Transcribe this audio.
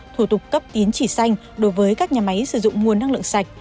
thủ tục cấp tiến chỉ xanh đối với các nhà máy sử dụng nguồn năng lượng sạch